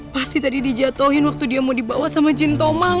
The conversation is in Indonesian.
pasti tadi dijatuhin waktu dia mau dibawa sama jin tomang